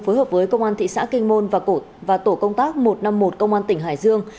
phối hợp với công an thị xã kinh môn và tổ công tác một trăm năm mươi một công an tỉnh hải dương